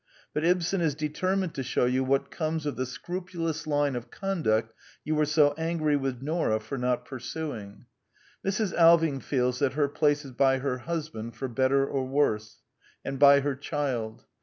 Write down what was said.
But Ibsen is determined to shew you what comes of the scrupulous line of conduct you were so angry with Nora for not pursuing. Mrs. Alving feels that her place is by her husband for better for worse, and by her child.